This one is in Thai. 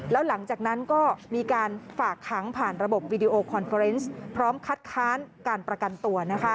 แล้วหลังจากนั้นก็มีการฝากขังผ่านระบบวิดีโอคอนเฟอร์เนสพร้อมคัดค้านการประกันตัว